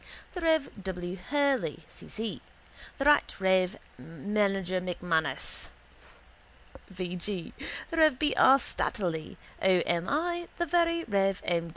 the rev. W. Hurley, C. C.; the rt rev. Mgr M'Manus, V. G.; the rev. B. R. Slattery, O. M. I.; the very rev. M.